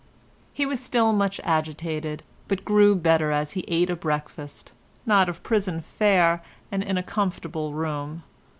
He was still much agitated, but grew better as he ate a breakfast, not of prison fare and in a comfortable room.